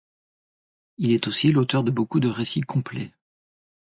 Il est aussi l'auteur de beaucoup de récits complets.